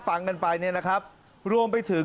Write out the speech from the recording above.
ปลูกมะพร้าน้ำหอมไว้๑๐ต้น